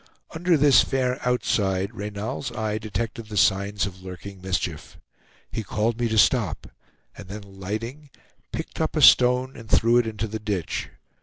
Under this fair outside, Reynal's eye detected the signs of lurking mischief. He called me to stop, and then alighting, picked up a stone and threw it into the ditch.